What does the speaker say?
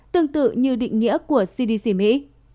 tương tự như định nghĩa của cdc mỹ